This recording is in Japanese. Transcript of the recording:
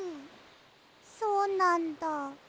そうなんだ。